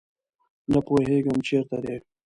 نه پوهیږم چیرته دي